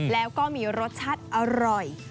แล้วก็มีรสชาติอร่อย